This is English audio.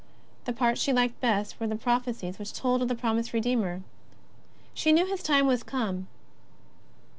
The parts she liked best were the prophe cies which told of the promised Redeemer. She knew His time was come.